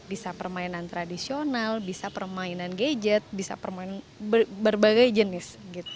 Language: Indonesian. bisa permainan tradisional bisa permainan gadget bisa permainan berbagai jenis